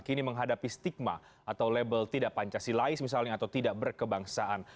kini menghadapi stigma atau label tidak pancasilais misalnya atau tidak berkebangsaan